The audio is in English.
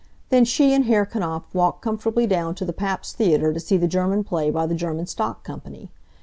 Then she and Herr Knapf walk comfortably down to the Pabst theater to see the German play by the German stock company.